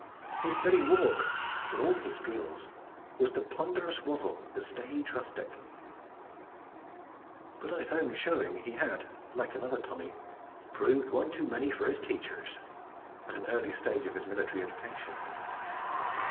His very walk, for all his drills, was the ponderous waddle of the stage rustic. But on his own showing he had (like another Tommy) 'proved one too many for his teachers' at an early stage of his military education.